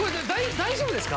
大丈夫ですか？